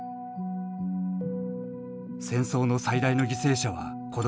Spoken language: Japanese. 戦争の最大の犠牲者は子どもである。